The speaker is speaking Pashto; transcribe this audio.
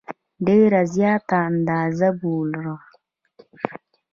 ډېره زیاته اندازه بوره.